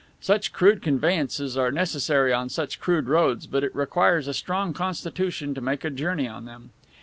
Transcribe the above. Such crude conveyances are necessary on such crude roads, but it requires a strong constitution to make a journey on them.